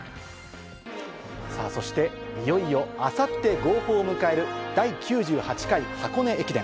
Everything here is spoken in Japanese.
そして、いよいよあさって号砲を迎える第９８回箱根駅伝。